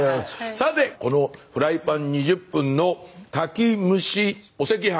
さてこのフライパン２０分の炊き蒸しお赤飯。